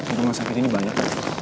untuk masyarakat ini banyak